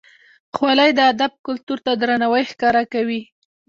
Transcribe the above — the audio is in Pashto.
خولۍ د ادب کلتور ته درناوی ښکاره کوي.